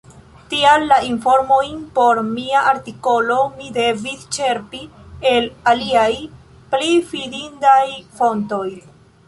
Tial la informojn por mia artikolo mi devis ĉerpi el aliaj, pli fidindaj fontoj.